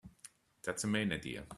That's the main idea.